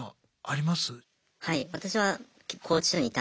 はい。